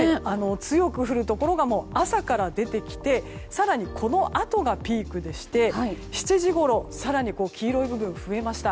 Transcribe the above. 強く降るところが朝から出てきて更に、このあとがピークでして７時ごろ更に黄色い部分が増えました。